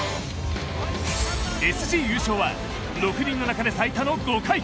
ＳＧ優勝は６人の中で最多の５回。